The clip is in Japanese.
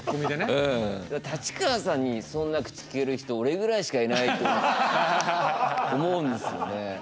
うん立川さんにそんな口利ける人俺ぐらいしかいないと思うんですよね